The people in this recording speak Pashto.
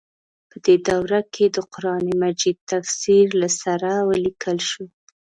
په دې دوره کې د قران مجید تفسیر له سره ولیکل شو.